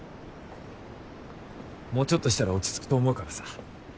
もうちょっとしたら落ち着くと思うからさ。